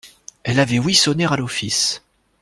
Elle avait ouï sonner à l'office.